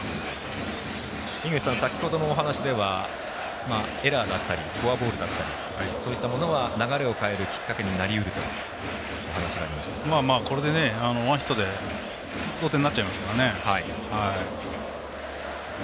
井口さん、先ほどのお話ではエラーだったりフォアボールだったりそういったものは流れを変えるきっかけになりうるとこれでねワンヒットで同点になっちゃいますからね。